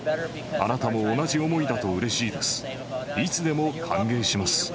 あなたも同じ思いだとうれしいです。